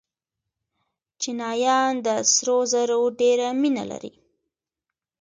چینایان د سرو زرو ډېره مینه لري.